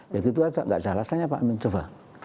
ya gitu aja enggak ada rasanya pak amin coba